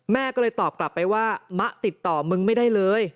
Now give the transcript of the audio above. แม่ก็เลยตอบกลับไปว่ามะติดต่อมึงไม่ได้เลย